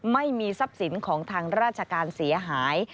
ไม่มีทรัพย์สินของทางราชการเสียหาย